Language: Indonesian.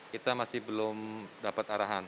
kita masih belum dapat arahan